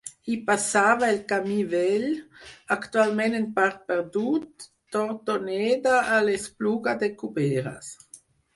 Hi passava el camí vell, actualment en part perdut, d'Hortoneda a l'Espluga de Cuberes.